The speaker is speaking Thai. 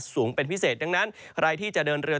สูงเป็นพิเศษดังนั้นใครที่จะเดินเรือ